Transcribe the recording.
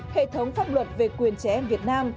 hệ thống pháp luật về quyền trẻ em việt nam